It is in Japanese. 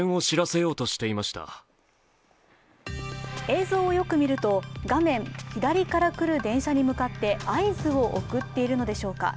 映像をよく見ると画面左から来る電車に向かって合図を送っているのでしょうか。